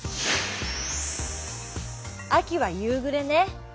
秋は夕暮れね。